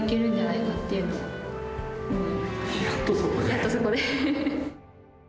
やっとそこで。